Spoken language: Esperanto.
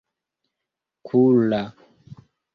Kulla!